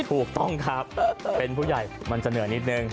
ถูกต้องครับเป็นผู้ใหญ่มันจะเหนื่อยนิดนึง